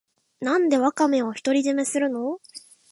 なんでワカメを独り占めするの